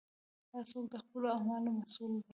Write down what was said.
هر څوک د خپلو اعمالو مسوول دی.